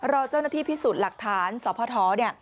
รอเจ้าหน้าที่พิสูจน์หลักฐานสพ